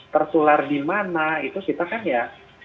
tertular di mana itu kita kan ya